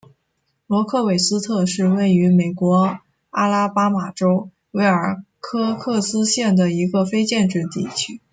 罗克韦斯特是位于美国阿拉巴马州威尔科克斯县的一个非建制地区。